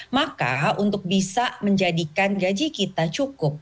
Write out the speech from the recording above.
maka untuk bisa menjadikan gaji kita cukup